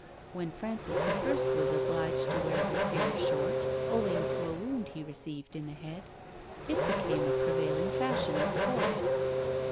When Francis I. was obliged to wear his hair short, owing to a wound he received in the head, it became a prevailing fashion at court.